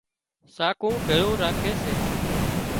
ساڪو ڀيۯون راکي سي